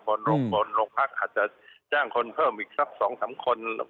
บนโรงพักอาจจะแจ้งคนเพิ่มอีกสัก๒๓คน